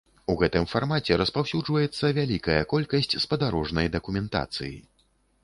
У гэтым фармаце распаўсюджваецца вялікая колькасць спадарожнай дакументацыі.